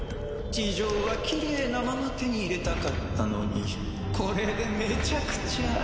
地上はきれいなまま手に入れたかったのにこれでめちゃくちゃ。